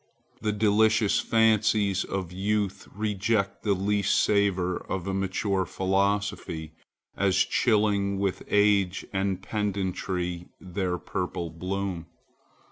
The delicious fancies of youth reject the least savor of a mature philosophy, as chilling with age and pedantry their purple bloom.